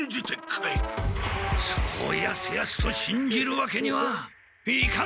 そうやすやすとしんじるわけにはいかん！